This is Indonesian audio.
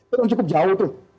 itu cukup jauh tuh